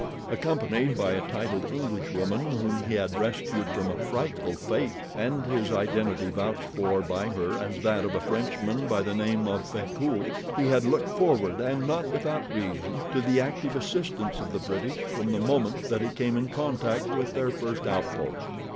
Accompanied by a titled Englishwoman whom he had rescued from a frightful fate, and his identity vouched for by her as that of a Frenchman by the name of Frecoult, he had looked forward, and not without reason, to the active assistance of the British from the moment that he came in contact with their first outpost.